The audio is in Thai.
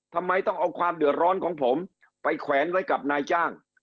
ทำไมต้องเอาความเดือดร้อนของผมไปแขวนไว้กับนายจ้าง